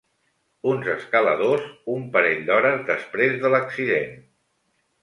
Uns escaladors, un parell d'hores després de l'accident.